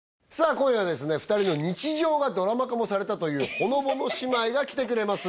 今夜はですね２人の日常がドラマ化もされたというほのぼの姉妹が来てくれます